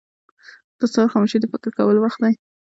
• د سهار خاموشي د فکر کولو وخت دی.